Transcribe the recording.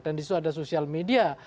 dan disitu ada sosial media